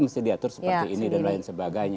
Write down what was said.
mesti diatur seperti ini dan lain sebagainya